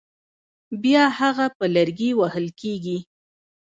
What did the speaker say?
بیا هغه په لرګي وهل کېږي.